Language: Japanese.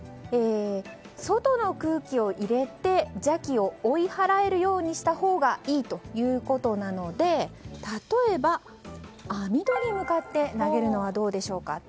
外の空気を入れて邪気を追い払えるようにしたほうがいいということなので例えば、網戸に向かって投げるのはどうでしょうか。